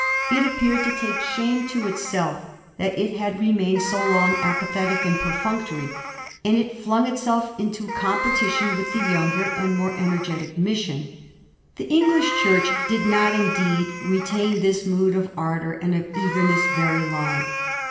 It ap peared to take shame to itself that it had remained so long apathetic and perfunctory, and it flung itself into competi tion with the younger and more energetic mission. The English Church did not indeed retain this mood of ardor and of eagerness very long.